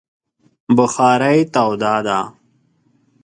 بخارۍ توده ده